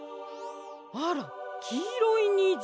あらきいろいにじ。